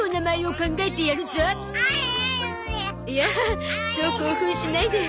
いやそう興奮しないで。